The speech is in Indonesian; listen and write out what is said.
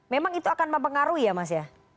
memang itu akan mempengaruhi ya mas ya